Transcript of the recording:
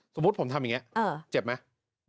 สมมุติผมทำอย่างนี้เจ็บไหม